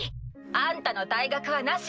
あんたの退学はなし。